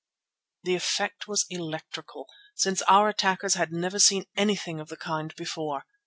The effect was electrical, since our attackers had never seen anything of the kind before.